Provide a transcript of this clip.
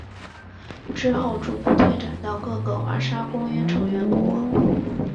之后逐步推展到各个华沙公约成员国。